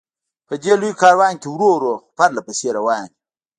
په دې لوی کاروان کې ورو ورو، خو پرله پسې روان و.